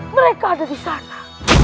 mereka ada disana